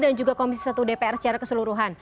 dan juga komisi satu dpr secara keseluruhan